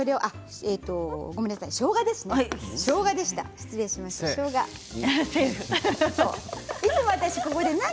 ごめんなさい、しょうがですね。